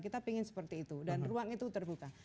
kita ingin seperti itu dan ruang itu terbuka